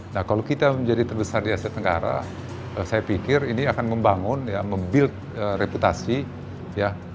nah kalau kita menjadi terbesar di aset negara saya pikir ini akan membangun ya mem build reputasi ya